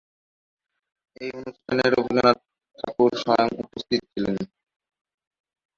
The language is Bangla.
এই অনুষ্ঠানে রবীন্দ্রনাথ ঠাকুর স্বয়ং উপস্থিত ছিলেন।